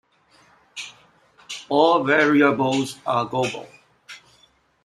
All variables are global.